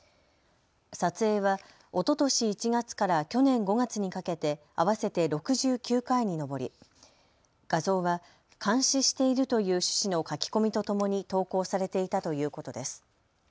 撮影はおととし１月から去年５月にかけて合わせて６９回に上り、画像は監視しているという趣旨の書き込みとともに投稿されていたということです。